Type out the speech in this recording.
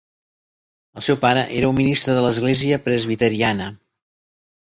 El seu pare era un ministre de l'Església Presbiteriana.